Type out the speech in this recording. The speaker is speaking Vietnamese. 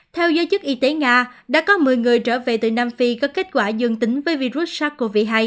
theo giới chức y tế nga đã có một mươi người trở về từ nam phi có kết quả dương tính với virus sars cov hai